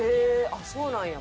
あっそうなんや。